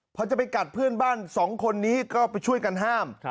พอจะไปกัดเพื่อนบ้านสองคนนี้ก็ไปช่วยกันห้าม